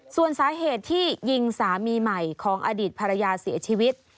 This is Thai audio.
ส่วนสาเหตุที่ยิงสามีใหม่ของอดีตภรรยาเสียชีวิต